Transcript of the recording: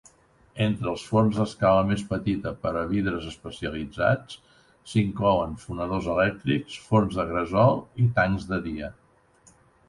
Entre els forns d'escala més petita per a vidres especialitzats, s'inclouen fonedors elèctrics, forns de gresol i tancs de dia.